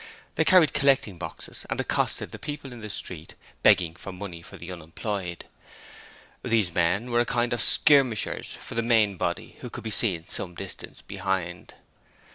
They carried collecting boxes and accosted the people in the street, begging for money for the unemployed. These men were a kind of skirmishers for the main body, which could be seen some distance behind.